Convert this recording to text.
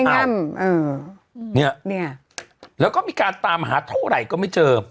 ไม่ง่ำเออเนี้ยเนี้ยแล้วก็มีการตามหาเท่าไหร่ก็ไม่เจอ